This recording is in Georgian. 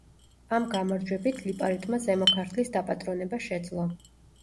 ამ გამარჯვებით ლიპარიტმა ზემო ქართლის დაპატრონება შეძლო.